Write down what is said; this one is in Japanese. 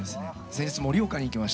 先日盛岡に行きまして。